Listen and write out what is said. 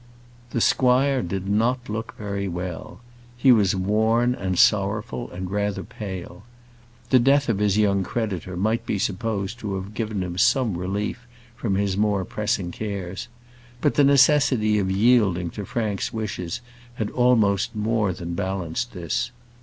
The squire did not look very well. He was worn and sorrowful, and rather pale. The death of his young creditor might be supposed to have given him some relief from his more pressing cares, but the necessity of yielding to Frank's wishes had almost more than balanced this.